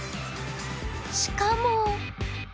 しかも。